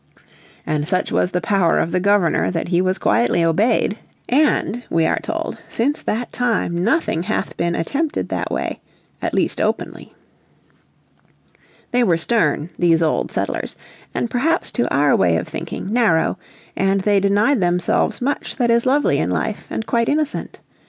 And such was the power of the Governor that he was quietly obeyed, "and," we are told, "since that time nothing hath been attempted that way, at least openly." They were stern, these old settlers, and perhaps to our way of thinking narrow, and they denied themselves much that is lovely in life and quite innocent.